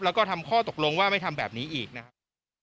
แล้วก็ทำข้อตกลงว่าไม่ทำแบบนี้อีกนะครับ